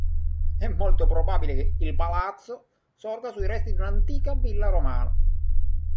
È molto probabile che il Palazzo sorga sui resti di un'antica villa romana.